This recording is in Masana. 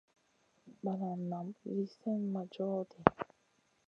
Banan naam lì slèh ma john ɗi.